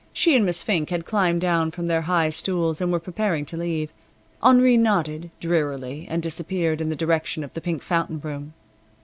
She and Miss Fink had climbed down from their high stools, and were preparing to leave. Henri nodded, drearily, and disappeared in the direction of the Pink Fountain Room.